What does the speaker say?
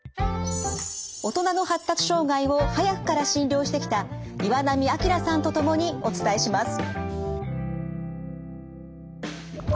大人の発達障害を早くから診療してきた岩波明さんと共にお伝えします。